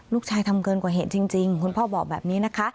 ทำเกินกว่าเหตุจริงคุณพ่อบอกแบบนี้นะคะ